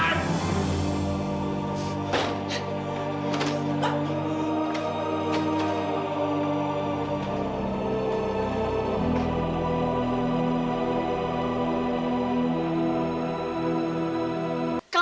satria jangan perasan